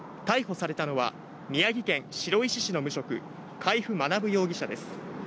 逮捕されたのは、宮城県白石市の無職、海部学容疑者です。